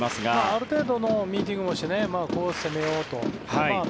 ある程度のミーティングをしてこう攻めようと。